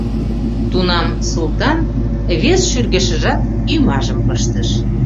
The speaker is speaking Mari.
Тунам Султан вес шӱргешыжат ӱмажым пыштыш.